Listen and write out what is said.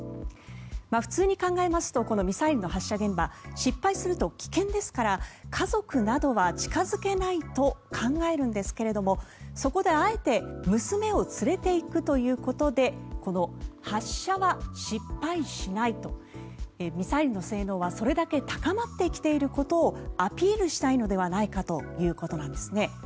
普通に考えますとこのミサイルの発射現場失敗すると危険ですから家族などは近付けないと考えるんですけどもそこであえて娘を連れていくということでこの発射は失敗しないとミサイルの性能はそれだけ高まってきていることをアピールしたいのではないかということなんですね。